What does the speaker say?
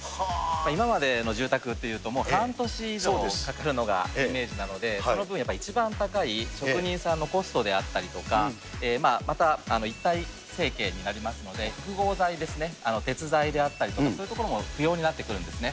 今までの住宅というと、もう半年以上かかるのがイメージなので、その分やっぱり一番高い職人さんのコストであったりとか、また、一体成形になりますので、複合材ですね、鉄材であったりとか、そういうところも不要になってくるんですね。